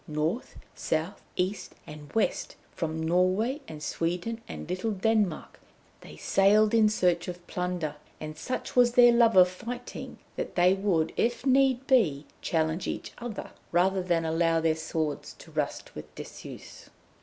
North, South, East and West, from Norway and Sweden, and little Denmark, they sailed in search of plunder, and such was their love of fighting that they would, if need be, challenge each other rather than allow their swords to rust with disuse.